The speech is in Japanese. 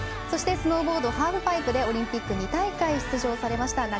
そして、スノーボードハーフパイプでオリンピック２大会出場されました